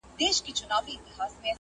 o توزنه هيله د خداى د کرمه وتلې ده!